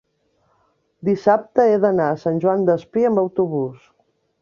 dissabte he d'anar a Sant Joan Despí amb autobús.